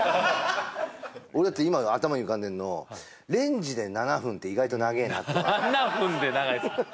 俺だって今頭に浮かんでんのレンジで７分って意外と長えなと７分で長いっすか？